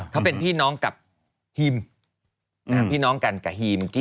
เขาเป็นพี่น้องกับฮิมพี่น้องกันกับฮีมกี้